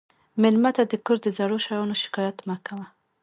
مېلمه ته د کور د زړو شیانو شکایت مه کوه.